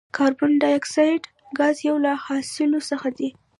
کاربن ډای اکساید ګاز یو له حاصلو څخه دی.